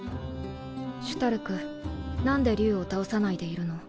シュタルク何で竜を倒さないでいるの？